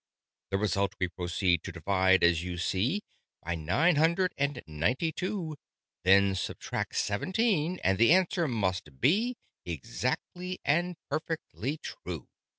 "The result we proceed to divide, as you see, By Nine Hundred and Ninety Two: Then subtract Seventeen, and the answer must be Exactly and perfectly true.